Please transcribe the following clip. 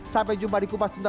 sampai jumpa di kupas tuntas